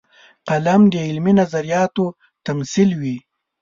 قلم د علمي نظریاتو تمثیلوي